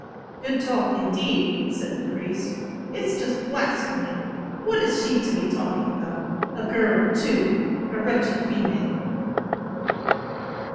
"Good talk, indeed," said the priest. "It's just blasphemy. What is she to be talking about, a girl too, a wretched female."